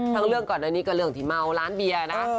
เรื่องก่อนอันนี้ก็เรื่องที่เมาร้านเบียร์นะ